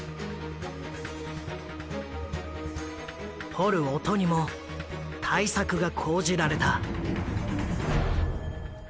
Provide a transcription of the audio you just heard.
掘る音にも対策が講じられた。